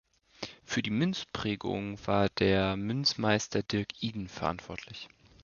Für die Münzprägung war der Münzmeister Dirk Iden verantwortlich.